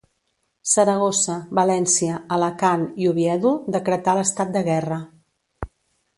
Saragossa, València, Alacant i Oviedo decretà l'estat de guerra.